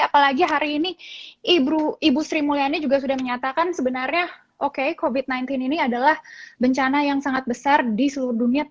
apalagi hari ini ibu sri mulyani juga sudah menyatakan sebenarnya oke covid sembilan belas ini adalah bencana yang sangat besar di seluruh dunia